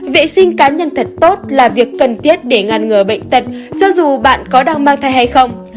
vệ sinh cá nhân thật tốt là việc cần thiết để ngăn ngừa bệnh tật cho dù bạn có đang mang thai hay không